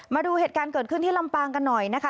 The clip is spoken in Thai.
มาดูเหตุการณ์เกิดขึ้นที่ลำปางกันหน่อยนะคะ